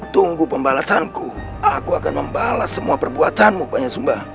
tunggu pembalasanku aku akan membalas semua perbuatanmu banyak sumbah